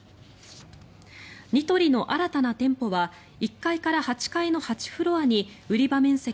ニトリの新たな店舗は１階から８階の８フロアに売り場面積